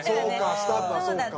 スタッフはそうか。